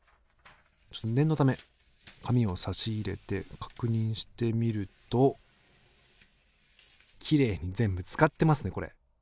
念のため紙をさし入れて確認してみるときれいに全部使ってますねこれ。